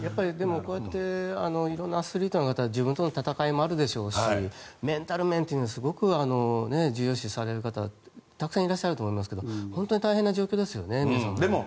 こうやっていろんなアスリートの方は自分との戦いもあるでしょうしメンタル面をすごく重要視される方たくさんいると思いますが大変な状況ですね。